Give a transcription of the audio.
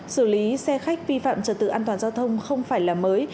xử lý xe khách vi phạm trật tự an toàn giao thông không phải là mới